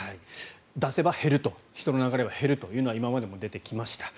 出せば減ると人の流れが減るというのは今までも出てきました。